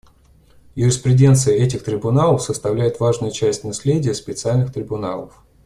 Юриспруденция этих трибуналов составляет важную часть наследия специальных трибуналов.